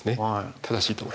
正しいと思います。